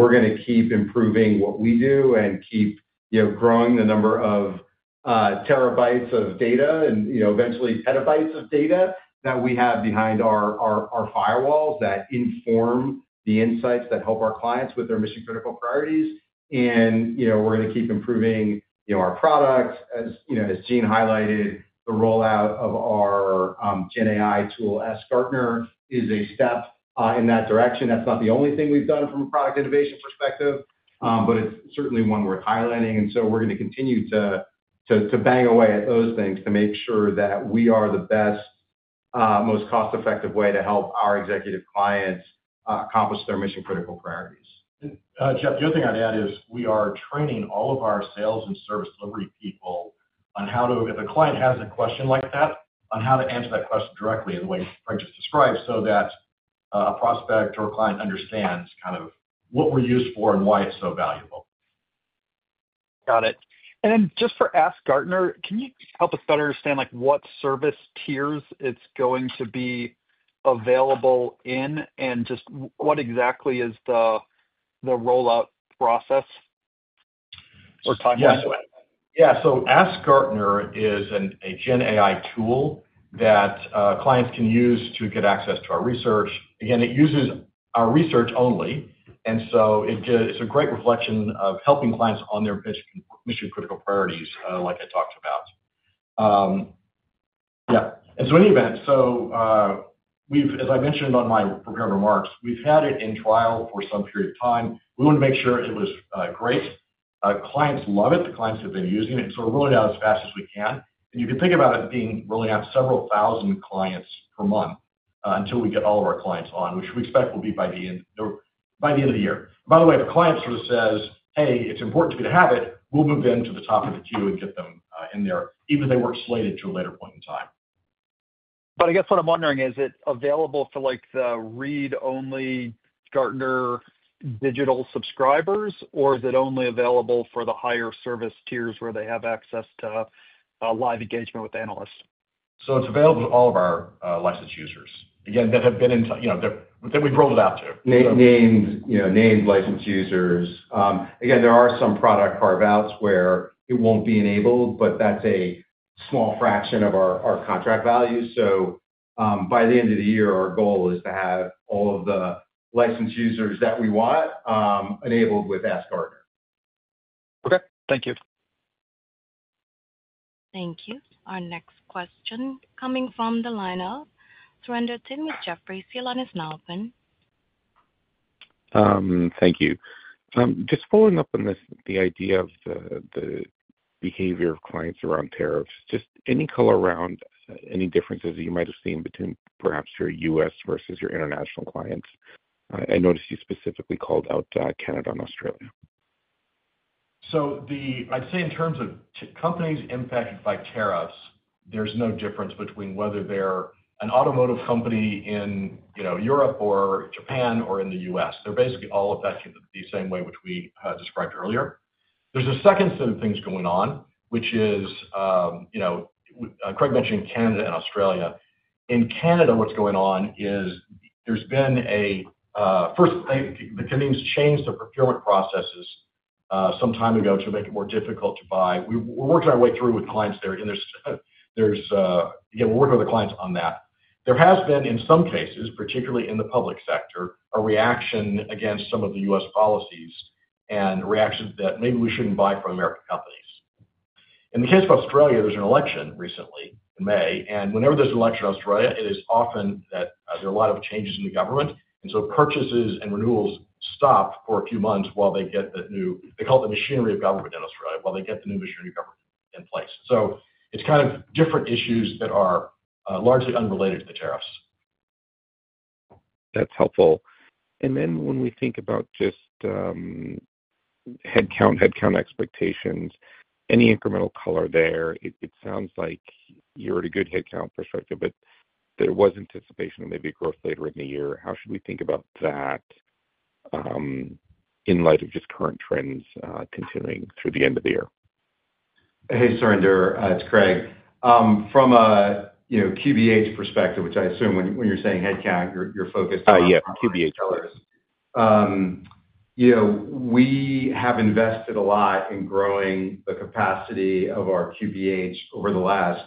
are going to keep improving what we do and keep growing the number of terabytes of data and eventually petabytes of data that we have behind our firewalls that inform the insights that help. Our clients with their mission critical priorities. We are going to keep improving our products. As you know, as Gene highlighted, the rollout of our AskGartner tool is a step in that direction. That is not the only thing we have done from a product innovation perspective, but it is certainly one worth highlighting. We are going to continue to bang away at those things to make sure that we are the best, most cost effective way to help our executive clients accomplish their mission critical priorities. Jeff, the other thing I'd add is we are training all of our sales and service delivery people on how to, if a client has a question like. On how to answer that question. Directly in the way I just described, so that a prospect or client understands kind of what we're used for and why it's so valuable. Got it. For AskGartner, can you help us better understand like what. Service tiers, it's going to be available. And just what exactly is the rollout process or time to add? Yeah. So AskGartner is a gen AI tool that clients can use to get access to our research. Again, it uses our research only, and so it's a great reflection of helping clients on their pitch critical priorities like I talked about. Yeah. In any event, as I mentioned on my prepared remarks, we've had it in trial for some period of time. We want to make sure it was great. Clients love it, the clients have been using it. We're rolling out as fast as we can, and you can think about it being rolling out several thousand clients per month until we get all of our clients on, which we expect will be by the end, they're by the. End of the year. By the way, the client sort of says, hey, it's important for me to have it, move them to the top of the queue and get them in there, even though they were slated to a later point in time. I guess what I'm wondering is. It is available for like the read only. Gartner digital subscribers or is it only available for the higher service tiers where they have access to live engagement with analysts? It is available to all of our Lexus users that we have rolled it out to. To named, you know, named licensed users. Again, there are some product carve outs where it won't be enabled, but that's a small fraction of our contract value. By the end of the year, our goal is to have all of the licensed users that we want enabled with AskGartner. Okay, thank you. Thank you. Our next question coming from the line of Surinder Thind with Jefferies. Your line is now open. Thank you. Just following up on the idea of the behavior of clients around tariffs. Just any color around any differences you might have seen between perhaps your U.S. versus your international clients. I noticed you specifically called out Canada and Australia. I'd say in terms of companies impacted by tariffs, there's no difference between whether they're an automotive company in Europe or Japan or in the U.S. They're basically all affected the same way, which we described earlier. There's a second set of things going on, which is Craig mentioned Canada and Australia. In Canada, what's going on is there's been a first, the Canadians changed the procurement processes some time ago to make it more difficult to buy. We worked our way through with clients there and again, we're working with the clients on that. There has been, in some cases, particularly in the public sector, a reaction against some of the U.S. policies and reactions that maybe we shouldn't buy from American companies. In the case of Australia, there's an election recently in May and whenever there's an election in Australia, it is often that there are a lot of changes in the government and so purchases and renewals stop for a few months while they get a new, they call it the machinery of government, in place. So it's kind of different issues that are largely unrelated to the tariffs. That's helpful. When we think about just headcount, headcount expectations, any incremental color there, it sounds like you're at a good headcount perspective. There was anticipation of maybe a growth later in the year. How should we think about that in light of just current trends continuing through the end of the year? Hey, Surinder. It's Craig from a, you know, QBH perspective, which I assume when you're saying headcount, you're focused IEF and QBH colors. We have invested a lot in growing the capacity of our QBH over the last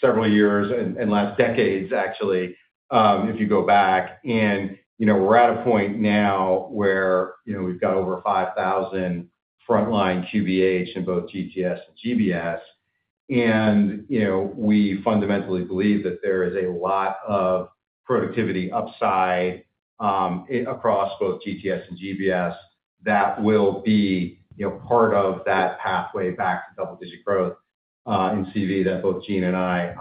several years and last decades. Actually, if you go back, we're at a point now where we've got over 5,000 frontline QBH in both GTS and GBS, and we fundamentally believe that there is a lot of productivity upside across both GTS and GBS that will be part of that pathway back to double-digit growth in CV that both Gene and I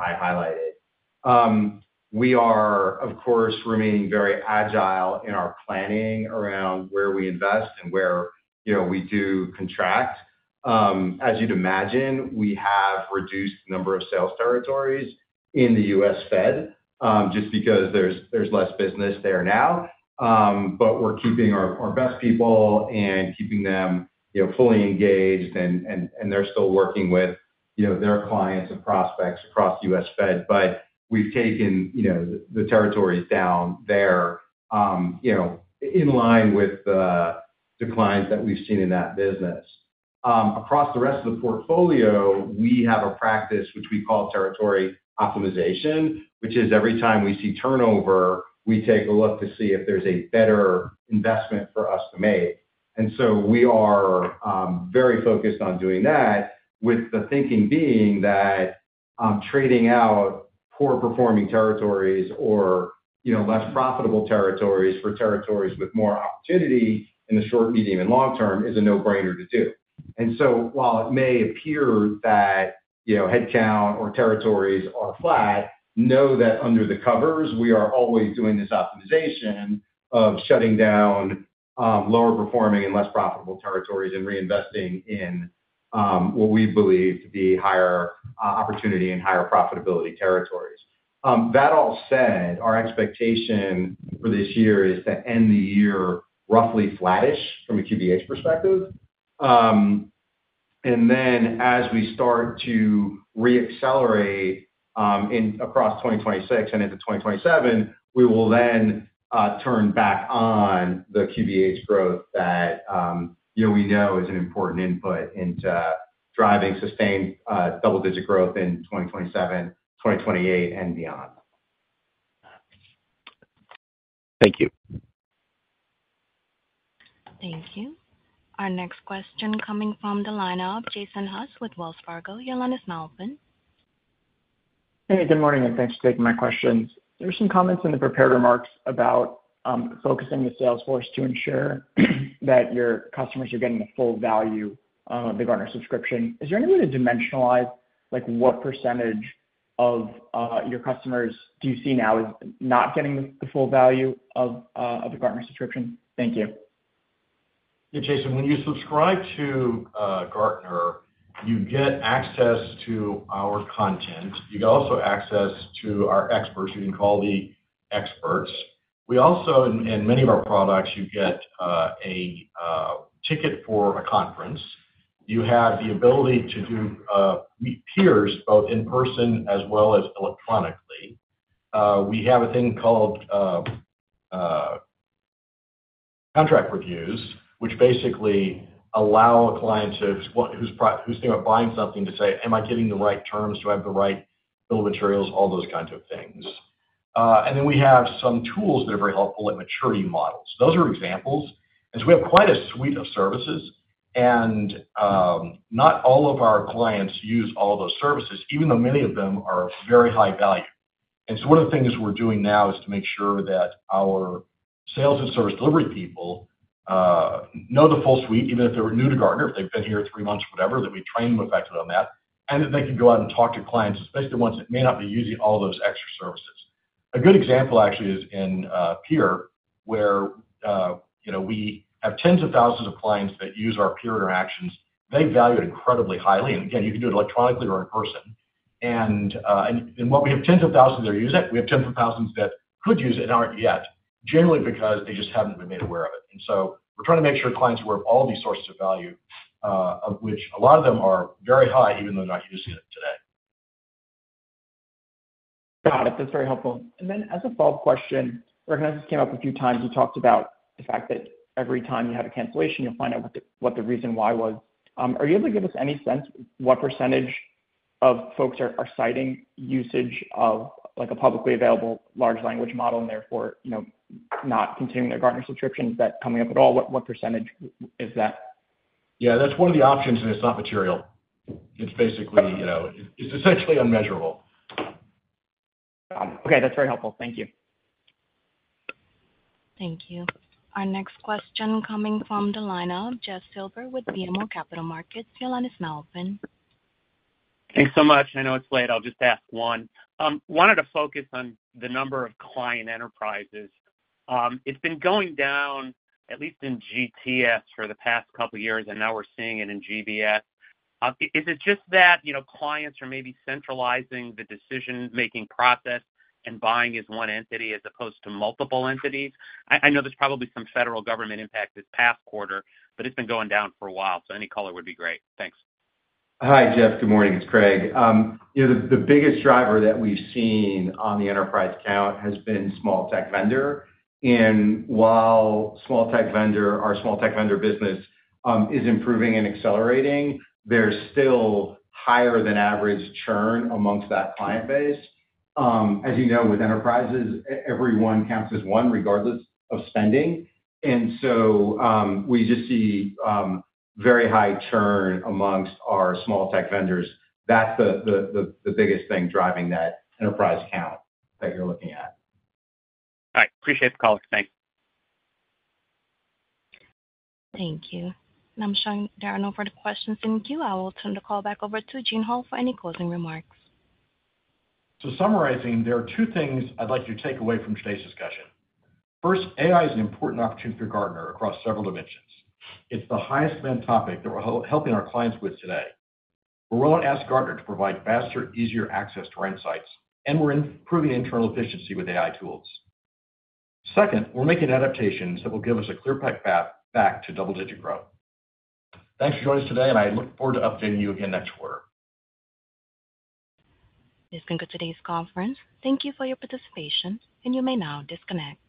highlighted. We are, of course, remaining very agile in our planning around where we invest and where we do contract. As you'd imagine, we have reduced number. Of sales territories in the U.S. federal government. Just because there's less business there now, we're keeping our best people and keeping them fully engaged, and they're still working with their clients and prospects across U.S. Fed. We've taken the territory down there in line with the declines that we've seen in that business across the rest of the portfolio. We have a practice which we call territory optimization, which is every time we see turnover, we take a look to see if there's a better investment for us to make. We are very focused on doing that, with the thinking being that trading out poor performing territories or less profitable territories for territories with more opportunity in the short, medium, and long term is a no brainer to do. While it may appear that headcount or territories are flat, know that under the covers we are always doing this optimization of shutting down lower performing and less profitable territories and reinvesting in what we believe to be higher opportunity. Higher profitability territories. That all said, our expectation for this year is to end the year roughly flattish from a QBH perspective. As we start to reaccelerate across 2026 and into 2027, we will then turn back on the QBH growth that we know is an important input into driving sustained double-digit growth in 2027, 2028 and beyond. Thank you. Thank you. Our next question coming from the lineup. Jason Haas with Wells Fargo. Your line is now open. Good morning, and thanks for taking my questions. are some comments in the prepared remarks. About focusing the salesforce to ensure that your customers are getting the full value of the Gartner subscription. Is there any way to dimensionalize like what percentage of your customers do you see now is not getting the full value of the Gartner subscripton? Thank you. Jason. When you subscribe to Gartner, you get access to our content. You also get access to our experts. You can call the experts. In many of our products, you get a ticket for a conference. You have the ability to meet peers both in person as well as electronically. We have a thing called contract reviews, which basically allow a client who's thinking about buying something to say, am I getting the right terms, do I have the right bill of materials? All those kinds of things. We have some tools that are very helpful at maturity models. Those are examples. We have quite a suite of services, and not all of our clients use all those services, even though many of them are very high value. One of the things we're doing now is to make sure that our sales and service delivery people know the full suite, even if they were new to Gartner, they've been here three months, whatever, that we train with actually on that. They can go out and talk to clients, especially ones that may not be using all those extra services. A good example actually is in peer, where we have tens of thousands of clients that use our peer interactions. They value it incredibly highly. You can do it electronically or in person. We have tens of thousands that use it. We have tens of thousands that could use it and aren't yet, generally because they just haven't been made aware of it. We're trying to make sure clients are aware of all these sources of value, of which a lot of them are very high, even though not using it today. Got it. That's very helpful. As a follow up question, recognize this came up a few times. You talked about the fact that every time you had a cancellation, you'll find. Out what the reason was. Are you able to give us any? What percentage of folks are citing each usage of like a publicly available large language model and therefore, you know. Not continuing to Gartner subscription. Is that coming up at all? What percentage is that? Yeah, that's one of the options. It's not material. It's basically, you know, it's essentially unmeasurable. Okay, that's very helpful. Thank you. Thank you. Our next question coming from Jeff Silber with BMO Capital Markets. Your line is now open. Thanks so much. I know it's late. I'll just ask. One wanted to focus on the number of client enterprises. It's been going down at least in GTS for the past couple years and now we're seeing it in GBS. Is it just that, you know, clients are maybe centralizing the decision making process and buying as one entity as opposed to multiple entities? I know there's probably some federal government impact this past quarter, but it's been going down for a while, so any color would be great. Thanks. Hi Jeff, good morning. It's Craig. You know, the biggest driver that we've seen on the enterprise count has been small tech vendor. While small tech vendor, our small tech vendor business is improving and accelerating, there's still higher than average churn amongst that client base. As you know, with enterprises, everyone counts as one regardless of spending. We just see very high churn amongst our small tech vendors. That's the biggest thing driving that enterprise count that you're looking at. I appreciate the call, thanks. Thank you. I'm showing there are no further questions in queue. I will turn the call back over to Gene Hall for any closing remarks. Summarizing, there are two things I'd like you to take away from today's discussion. First, AI is an important opportunity for Gartner across several dimensions. It's the highest demand topic that we're helping our clients with today. We want AskGartner to provide faster, easier access to Insights and we're improving internal efficiency with AI tools. Second, we're making adaptations that will give us a clear path back to double digit growth. Thanks for joining us today and I look forward to updating you again next quarter. This concludes today's conference. Thank you for your participation, and you may now disconnect.